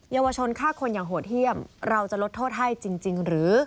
เยาวชนฆ่าคนอย่างโหดเยี่ยมเราจะลดโทษให้จริงหรือ